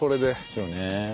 そうね。